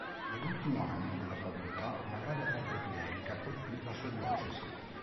Nell'ultimo anno della sua vita una grave febbre epidemica colpì la sua diocesi.